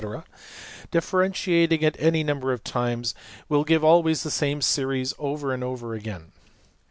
\] Differentiating it any number of times will give always the same series over again.